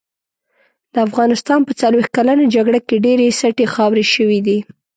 د افغانستان په څلوښت کلنه جګړه کې ډېرې سټې خاورې شوې دي.